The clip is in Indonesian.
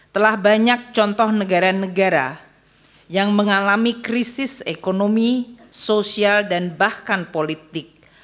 telah banyak contoh negara negara yang mengalami krisis ekonomi sosial dan bahkan politik